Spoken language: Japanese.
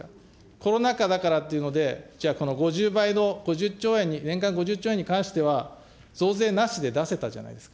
コロナ禍だからっていうので、じゃあこの５０倍の、５０兆円に、年間５０兆円に関しては、増税なしで出せたじゃないですか。